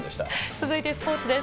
続いてスポーツです。